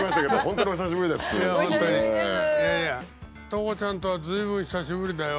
トコちゃんとは随分久しぶりだよ。